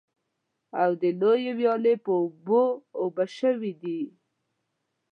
او د لویې ويالې په اوبو اوبه شوي دي.